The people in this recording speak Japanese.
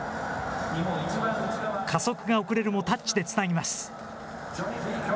加速が遅れるも、タッチでつなぎます。